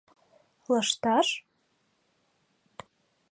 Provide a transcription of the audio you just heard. Лышташ?